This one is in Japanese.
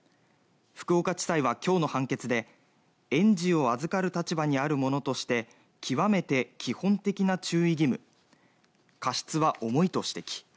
福岡地裁は今日の判決で園児を預かる立場にある者として極めて基本的な注意義務過失は重いと指摘。